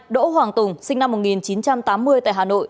đỗ hoàng tùng sinh năm một nghìn chín trăm tám mươi tại hà nội